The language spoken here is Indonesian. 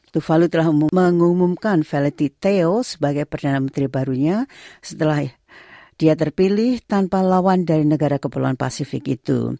tuvalu telah mengumumkan valeti theo sebagai perdana menteri barunya setelah dia terpilih tanpa lawan dari negara kepulauan pasifik itu